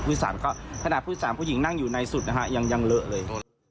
พุทธศาสตร์ก็ขนาดพุทธศาสตร์ผู้หญิงนั่งอยู่ในสุดยังเลอะเลย